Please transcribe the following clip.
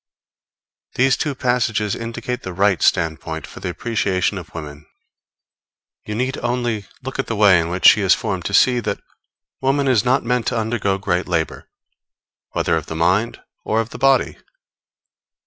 These two passages indicate the right standpoint for the appreciation of women. You need only look at the way in which she is formed, to see that woman is not meant to undergo great labor, whether of the mind or of the body.